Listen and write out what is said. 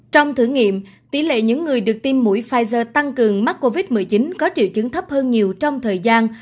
trong thử nghiệm tỷ lệ những người được tiêm mũi pfizer tăng cường mắc covid một mươi chín có triệu chứng thấp hơn nhiều trong thời gian